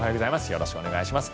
よろしくお願いします。